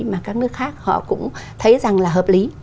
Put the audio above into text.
mà các nước khác họ cũng thấy rằng là hợp lý